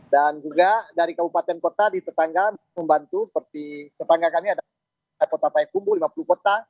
dan juga dari kabupaten kota di tetangga membantu seperti tetangga kami ada kota payakumbu lima puluh kota